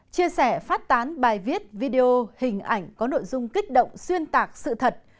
chia sẻ phát tán bài viết video hình ảnh có nội dung kích động xuyên tạc sự thật